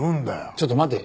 ちょっと待て。